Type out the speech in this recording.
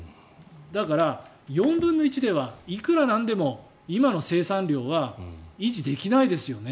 だから、４分の１ではいくらなんでも今の生産量は維持できないですよね。